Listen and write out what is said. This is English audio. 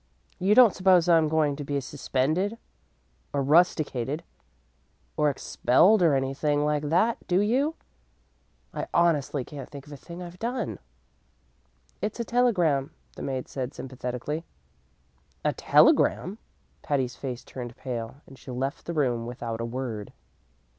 You don't suppose I'm going to be suspended or rusticated or expelled or anything like that, do you? I honestly can't think of a thing I've done." "It's a telegram," the maid said sympathetically. "A telegram?" Patty's face turned pale, and she left the room without a word.